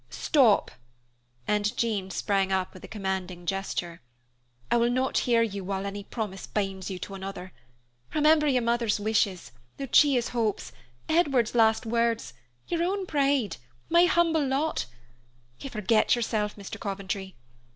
"Stop!" And Jean sprang up with a commanding gesture. "I will not hear you while any promise binds you to another. Remember your mother's wishes, Lucia's hopes, Edward's last words, your own pride, my humble lot. You forget yourself, Mr. Coventry.